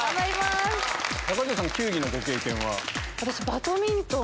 球技のご経験は？